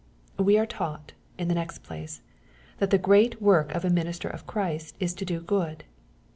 We are taught, in the next place, that the great work of a minister of Christ is to do good.